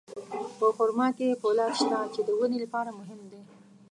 په خرما کې فولاد شته، چې د وینې لپاره مهم دی.